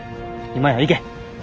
今やいけ！